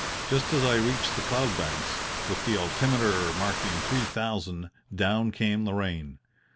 Just as I reached the cloud banks, with the altimeter marking three thousand, down came the rain.